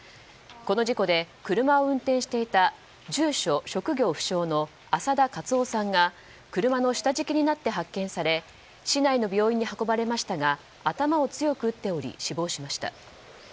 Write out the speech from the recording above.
この事故で、車を運転していた住所職業不詳の浅田克郎さんが車の下敷きになって発見され市内の病院に運ばれましたが頭を強く打っており死亡しました。